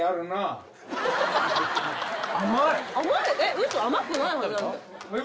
ウソ⁉甘くないはず。